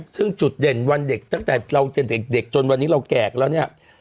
ซึ่งจุดเด่นวันเด็กตั้งแต่เราจนเด็กจนวันนี้เราแก่แล้วเนี่ย